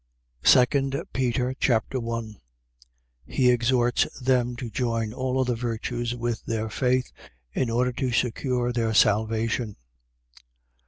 2 Peter Chapter 1 He exhorts them to join all other virtues with their faith, in order to secure their salvation.